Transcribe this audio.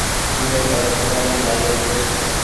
پورو گهر سمبآلين چآلي ڇي۔